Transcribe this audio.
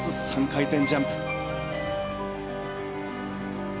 ３回転ジャンプ。